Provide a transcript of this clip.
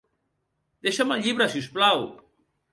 Deixa'm el llibre, si us plau.